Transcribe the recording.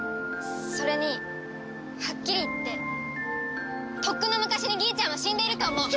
それにはっきり言ってとっくの昔にギイちゃんは死んでいると思う！